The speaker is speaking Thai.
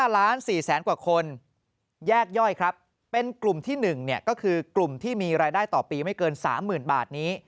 ๕ล้าน๔แสนกว่าคนแยกย่อยครับเป็นกลุ่มที่๑ก็คือกลุ่มที่มีรายได้ต่อปีไม่เกิน๓๐๐๐บาทนี้